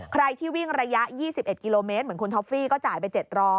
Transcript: ใครที่วิ่งระยะ๒๑กิโลเมตรเหมือนคุณท็อฟฟี่ก็จ่ายไป๗๐๐